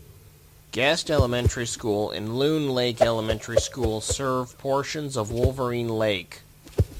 Guest Elementary School and Loon Lake Elementary School serve portions of Wolverine Lake.